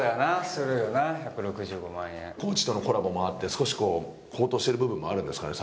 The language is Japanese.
ＣＯＡＣＨとのコラボもあって少しこう高騰してる部分もあるんですかね